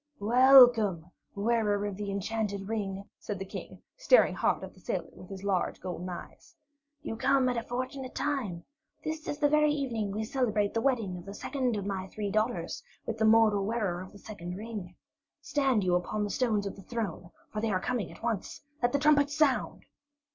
"Welcome, Wearer of the Enchanted Ring," said the King, staring hard at the sailor with his large golden eyes. "You come at a fortunate time. This very evening we celebrate the wedding of the second of my three daughters with the mortal wearer of the second ring. Stand you upon the steps of the throne, for they are coming at once. Let the trumpets sound!"